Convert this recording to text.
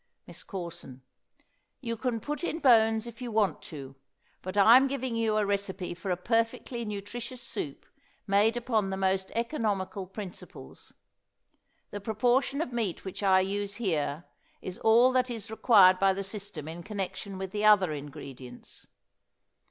MISS CORSON. You can put in bones if you want to. But I am giving you a recipe for a perfectly nutritious soup, made upon the most economical principles. The proportion of meat which I use here is all that is required by the system in connection with the other ingredients.